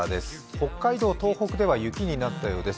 北海道、東北では雪になったようです。